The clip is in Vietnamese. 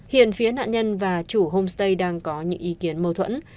hiện phía nạn nhân và chủ homestay đang có những ý kiến mâu thuẫn